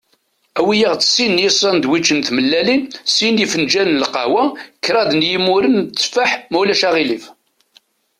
Awi-aɣ-d sin n yisandwicen n tmellalin, sin n yifenǧalen n lqehwa, kraḍ n yimuren n tteffeḥ, ma ulac aɣilif.